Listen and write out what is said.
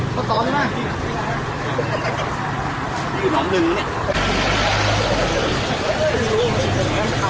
มาร้านอัศวินดีกว่าจริงบริษัทใจที่อัศวินสงสัมบาล